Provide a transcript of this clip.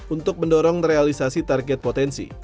untuk mendorong realisasi target potensi